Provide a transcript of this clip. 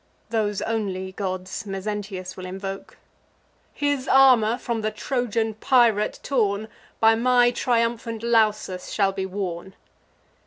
(Those only gods Mezentius will invoke.) His armour, from the Trojan pirate torn, By my triumphant Lausus shall be worn."